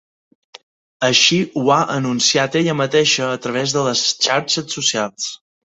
Així ho ha anunciat ella mateixa a través de les xarxes socials.